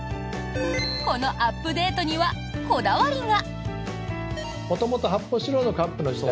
このアップデートにはこだわりが。